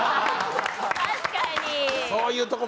確かに。